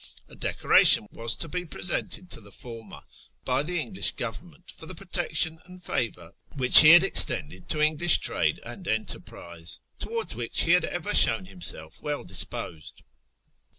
A decoration was to be ]3reseuted to the former by the English Government for the protection and favour which he had extended to English trade and enterprise, towards which he had ever sliown himself well disposed.